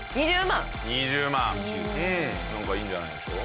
なんかいいんじゃないですか？